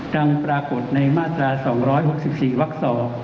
ต่างปรากฏในมาตรา๒๖๔วักษอ